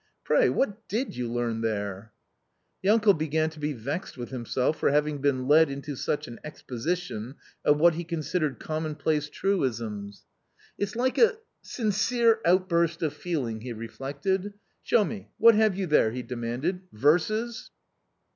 Pray what did you learn l^there ?"— The uncle began to be vexed with himself for having been led into such an exposition of what he considered commonplace truisms. A COMMON STORY 57 " It's like a ' sincere outburst of feeling/ " he reflected. "Show me what have you there?" he demanded; " verses